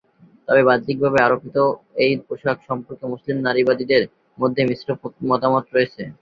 তবে বাহ্যিকভাবে আরোপিত এই পোশাক সম্পর্কে মুসলিম নারীবাদীদের মধ্যে মিশ্র মতামত রয়েছে।